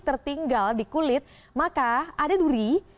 tertinggal di kulit maka ada duri